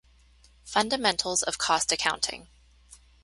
Fundamentals of Cost Accounting.